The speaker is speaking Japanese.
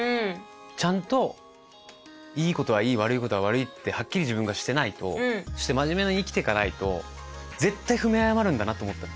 ちゃんといいことはいい悪いことは悪いってはっきり自分がしてないとそして真面目に生きていかないと絶対踏みあやまるんだなと思ったの。